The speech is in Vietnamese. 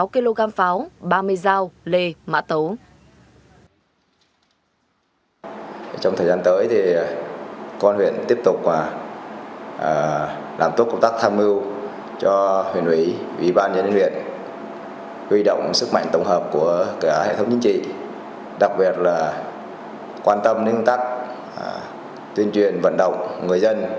một sáu kg pháo ba mươi dao lê mã tấu